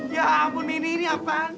ya ampun ini ini apa